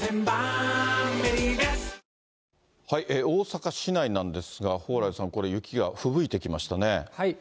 大阪市内なんですが、蓬莱さん、これ、雪がふぶいてきましたね。